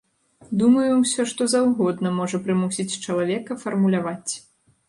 Думаю, усё што заўгодна можа прымусіць чалавека фармуляваць.